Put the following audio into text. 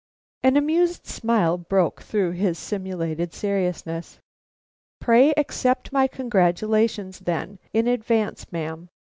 An amused smile broke through his simulated seriousness. "Pray accept my congratulations, then, in advance, ma'am.